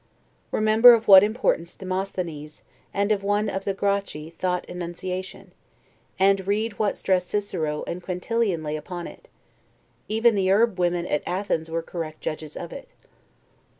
Remember of what importance Demosthenes, and one of the Gracchi, thought ENUNCIATION; and read what stress Cicero and Quintilian lay upon it; even the herb women at Athens were correct judges of it.